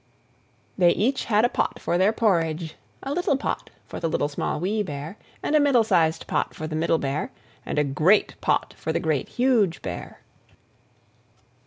They had each a pot for their porridge; a little pot for the Little, Small, Wee Bear; and a middle sized pot for the Middle Bear, and a great pot for the Great, Huge Bear.